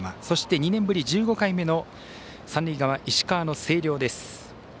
そして、２年ぶり１５回目の三塁側、石川の星稜です。